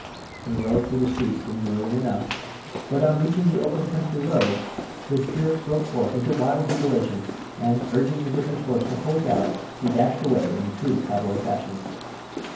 He rode through the streets demurely enough, but on reaching the open country roads his spirits broke forth into wild jubilation, and, urging the butcher's horse to full gallop, he dashed away in true cowboy fashion.